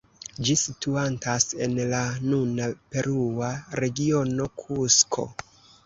Ĝi situantas en la nuna perua regiono Kusko.